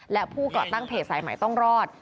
และผู้ก่อตั้งเพจสายใหม่ต้องรอด